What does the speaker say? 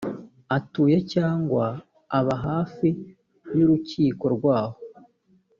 atuye cyangwa aba hafi y’urukiko rwa ho